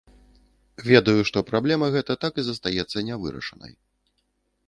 Ведаю, што праблема гэта так і застаецца не вырашанай.